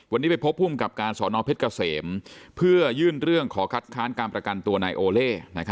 วันนี้ไปพบภูมิกับการสอนอเพชรเกษมเพื่อยื่นเรื่องขอคัดค้านการประกันตัวนายโอเล่